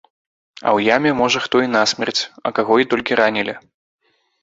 А ў яме можа хто і насмерць, а каго і толькі ранілі.